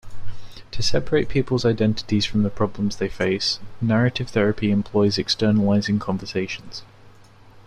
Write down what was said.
To separate people's identities from the problems they face, narrative therapy employs externalizing conversations.